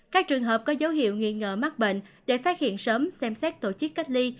các trường hợp có dấu hiệu nghi ngờ mắc bệnh để phát hiện sớm xem xét tổ chức cách ly